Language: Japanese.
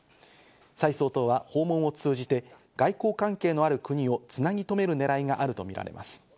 サイ総統は訪問を通じて、外交関係のある国をつなぎとめる狙いがあるとみられます。